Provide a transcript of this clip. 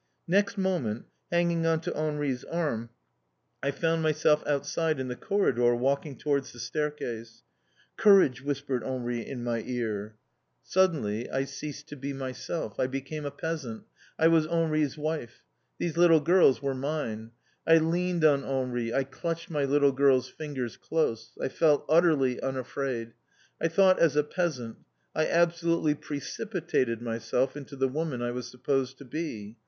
Next moment, hanging on to Henri's arm, I found myself outside in the corridor walking towards the staircase. "Courage!" whispered Henri in my ear. Suddenly I ceased to be myself; I became a peasant; I was Henri's wife. These little girls were mine. I leaned on Henri, I clutched my little girl's fingers close. I felt utterly unafraid. I thought as a peasant. I absolutely precipitated myself into the woman I was supposed to be.